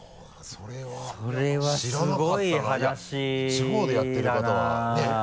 地方でやってる方はねぇ？